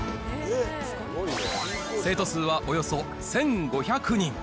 生徒数はおよそ１５００人。